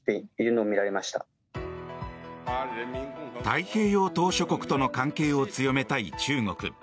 太平洋島しょ国との関係を強めたい中国。